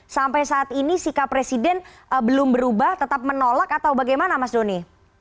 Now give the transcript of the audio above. sampai saat ini sikap presiden belum berubah tetap menolak atau bagaimana mas doni